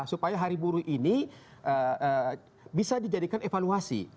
supaya hari buruh ini bisa dijadikan evaluasi